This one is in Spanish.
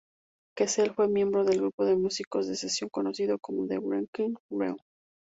Kessel fue miembro del grupo de músicos de sesión conocido como The Wrecking Crew.